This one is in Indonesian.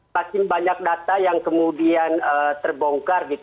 makin banyak data yang kemudian terbongkar